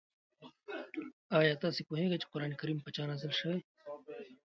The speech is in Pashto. آیا تاسو پوهېږئ چې قرآن کریم په چا نازل شوی دی؟